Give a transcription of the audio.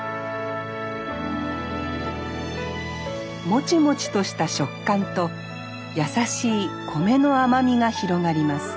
もちもちとした食感と優しい米の甘みが広がります